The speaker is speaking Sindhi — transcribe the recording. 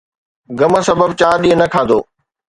غم سبب چار ڏينهن نه کاڌو.